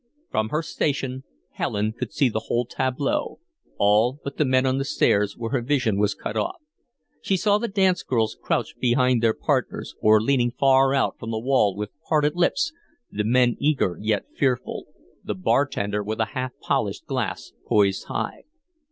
From her station Helen could see the whole tableau, all but the men on the stairs, where her vision was cut off. She saw the dance girls crouched behind their partners or leaning far out from the wall with parted lips, the men eager yet fearful, the bartender with a half polished glass poised high.